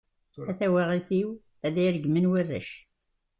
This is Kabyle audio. A tawaɣit-iw ad iyi-regmen warrac.